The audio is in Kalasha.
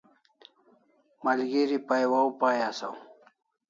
Malgeri pay waw pai asaw